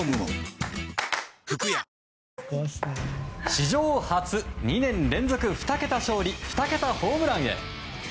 史上初２年連続の２桁勝利２桁ホームランへ。